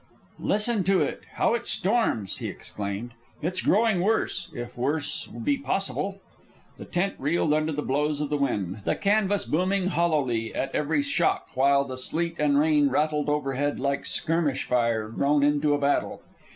"Listen to it! How it storms!" he exclaimed. "It's growing worse, if worse be possible." The tent reeled under the blows of the wind, the canvas booming hollowly at every shock, while the sleet and rain rattled overhead like skirmish fire grown into a battle.